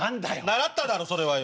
習っただろそれはよ。